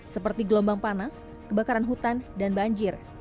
seperti gelombang panas kebakaran hutan dan banjir